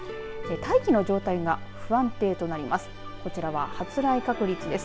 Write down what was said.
大気の状態が不安定となります。